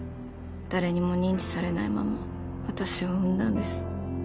誰にも認知されないまま私を産んだんです。